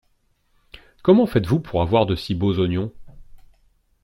Comment faites-vous pour avoir de si beaux oignons?